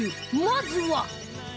まずは